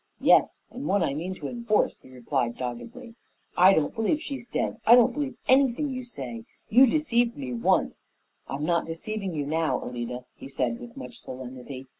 "Yes, and one I mean to enforce," he replied doggedly. "I don't believe she's dead, I don't believe anything you say! You deceived me once. "I'm not deceiving you now, Alida," he said with much solemnity.